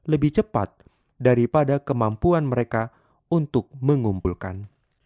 lebih cepat daripada kemampuan mereka untuk mengumpulkan